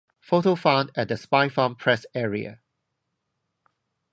Photo found at the Spinefarm press area.